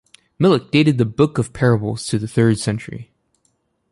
Milik dated the Book of Parables to the third century.